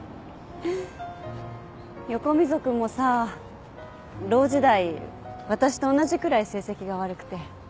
横溝君もさロー時代私と同じくらい成績が悪くて。